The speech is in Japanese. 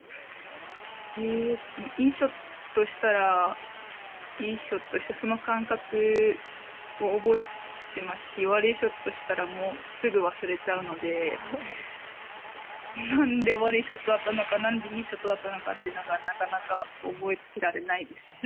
いいショットしたらいいショットしたその感覚を覚えてますし悪いショットをしたらすぐに忘れちゃうので何で悪いショットだったのか何でいいショットだったのかというのはなかなか覚えてられないです。